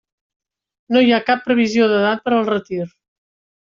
No hi ha cap previsió d'edat per al retir.